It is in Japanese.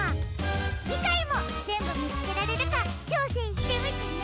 じかいもぜんぶみつけられるかちょうせんしてみてね！